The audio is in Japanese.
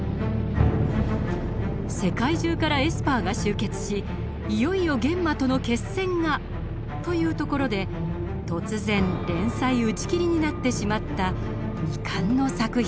世界中からエスパーが集結しいよいよ幻魔との決戦が！というところで突然連載打ち切りになってしまった未完の作品です。